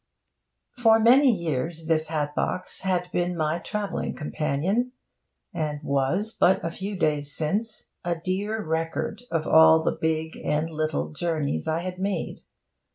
For many years this hat box had been my travelling companion, and was, but a few days since, a dear record of all the big and little journeys I had made.